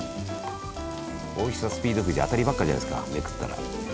おいしさスピードくじ当たりばっかじゃないですかめくったら。